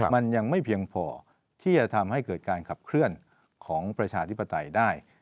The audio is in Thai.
มันยังไม่เพียงพอที่จะทำให้เกิดการขับเคลื่อนของประชาธิปไตยได้